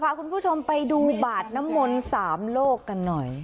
พาคุณผู้ชมไปดูบาดน้ำมนต์๓โลกกันหน่อย